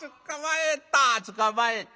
つかまえた！